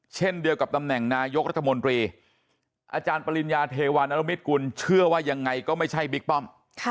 เช่นเดียวกับตำแหน่งนายกรัฐมนตรีอาจารย์ปริญญาเทวานรมิตกุลเชื่อว่ายังไงก็ไม่ใช่บิ๊กป้อม